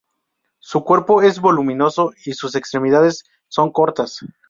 Su cuerpo es voluminoso y sus extremidades son cortas.